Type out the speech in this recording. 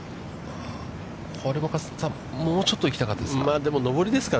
これも、加瀬さん、もうちょっと行きたかったですか。